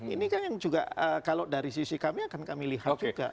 ini kan yang juga kalau dari sisi kami akan kami lihat juga